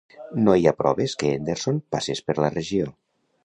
No hi ha proves que Henderson passés per la regió.